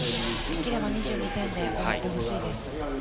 できれば２２点で終わってほしいです。